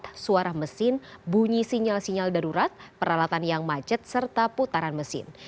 kemudian suara mesin bunyi sinyal sinyal darurat peralatan yang macet serta putaran mesin